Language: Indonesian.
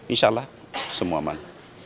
insya allah semua aman